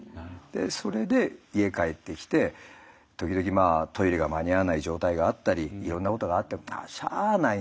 それで家帰ってきて時々トイレが間に合わない状態があったりいろんなことがあってもしゃあないな。